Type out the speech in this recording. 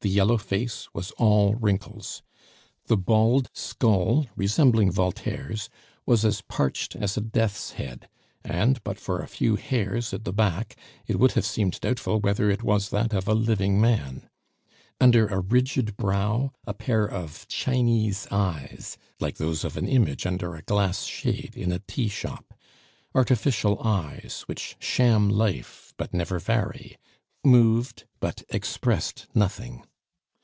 The yellow face was all wrinkles. The bald skull, resembling Voltaire's, was as parched as a death's head, and but for a few hairs at the back it would have seemed doubtful whether it was that of a living man. Under a rigid brow, a pair of Chinese eyes, like those of an image under a glass shade in a tea shop artificial eyes, which sham life but never vary moved but expressed nothing.